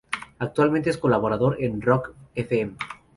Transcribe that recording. Actualmente es colaborador en Rock fm.